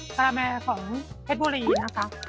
คาราแมร์ของเพชรบุรีนะคะ